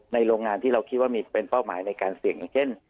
โรงงานที่เราคิดว่ามีเป็นเป้าหมายในการเสี่ยงอย่างเช่น